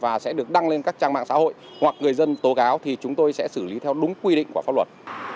và sẽ được đăng lên các trang mạng xã hội hoặc người dân tố cáo thì chúng tôi sẽ xử lý theo đúng quy định của pháp luật